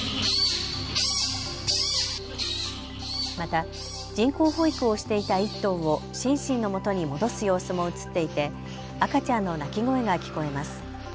また人工保育をしていた１頭をシンシンのもとに戻す様子も写っていて赤ちゃんの鳴き声が聞こえます。